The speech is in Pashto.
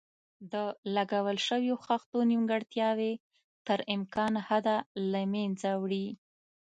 د لګول شویو خښتو نیمګړتیاوې تر ممکن حده له منځه وړي.